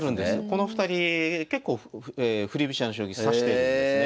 この２人結構振り飛車の将棋指してるんですね。